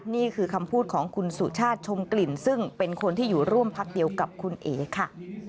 นี่คือคำพูดของคุณสุชาติชมกลิ่นซึ่งเป็นคนที่อยู่ร่วมพักเดียวกับคุณเอ๋ค่ะ